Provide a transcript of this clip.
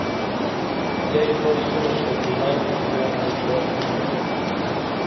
ییی بپ سونہ شجرہ ژا ائی کاس تہ پُچیم